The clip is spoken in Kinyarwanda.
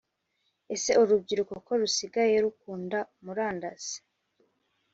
ese urubyiruko ko rusigaye rukunda murandasi